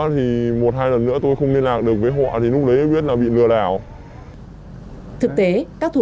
thì một hai lần nữa tôi không liên lạc được với họ thì lúc đấy mới biết là bị lừa đảo thực tế các thủ